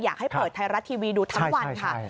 อยากให้เปิดไทยรัตริย์ที่วีดูทั้งวันครับ